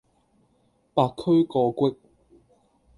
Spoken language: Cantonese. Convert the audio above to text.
白駒過隙